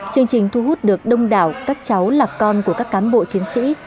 chương trình thu hút được đông đảo các cháu là con của các cám bộ chiến sĩ